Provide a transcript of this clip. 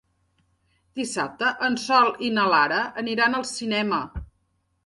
Dissabte en Sol i na Lara aniran al cinema.